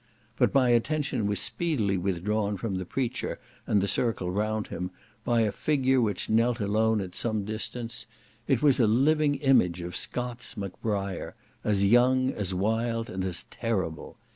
But my attention was speedily withdrawn from the preacher, and the circle round him, by a figure which knelt alone at some distance; it was a living image of Scott's Macbriar, as young, as wild, and as terrible.